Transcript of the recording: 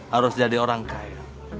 harus jadi orang kaya